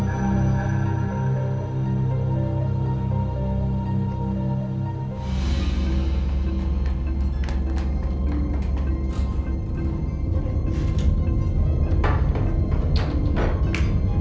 asal ditukar dengan nyawa sarmawi yang tatin